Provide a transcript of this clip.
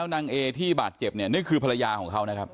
นางเอที่บาดเจ็บเนี่ยนี่คือภรรยาของเขานะครับ